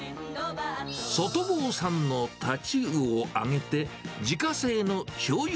外房産のタチウオを揚げて、自家製のしょうゆ